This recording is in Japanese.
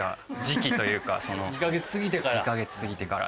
２か月過ぎてから。